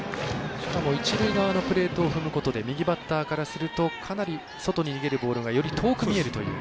しかも一塁側のプレートを踏むことで右バッターからするとかなり外に逃げるボールがより遠く見えるという。